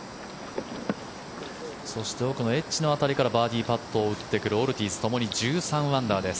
そして奥のエッジの辺りからバーディーパットを打ってくるオルティーズともに１３アンダーです。